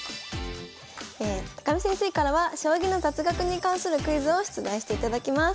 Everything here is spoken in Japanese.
見先生からは将棋の雑学に関するクイズを出題していただきます。